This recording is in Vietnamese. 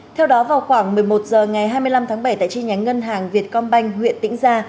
theo đó vào khoảng một mươi một h ngày hai mươi năm tháng bảy tại chi nhánh ngân hàng việt công banh huyện tĩnh gia